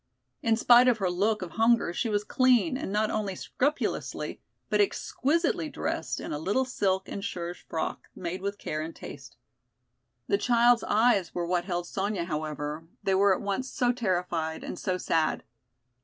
In spite of her look of hunger she was clean and not only scrupulously, but exquisitely dressed in a little silk and serge frock made with care and taste. The child's eyes were what held Sonya, however, they were at once so terrified and so sad.